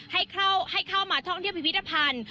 ให้เข้ามาท่องเที่ยวพิพิธภัณฑ์